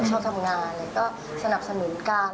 ชอบทำงานอะไรก็สนับสนุนกัน